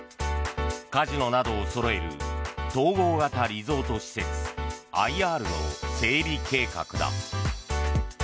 カジノなどをそろえる統合型リゾート施設・ＩＲの整備計画だ。